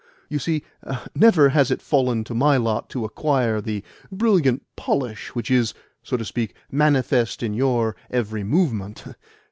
You see, never has it fallen to my lot to acquire the brilliant polish which is, so to speak, manifest in your every movement.